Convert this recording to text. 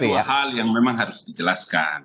dua hal yang memang harus dijelaskan